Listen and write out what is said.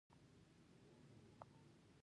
د عناصرو لومړنۍ وېشل د اتومي نمبر پورې تړلی وو.